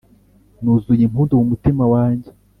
Nuzuy' impundu mu mutima wanjye,